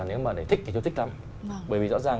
nếu mà để thích thì tôi thích lắm bởi vì rõ ràng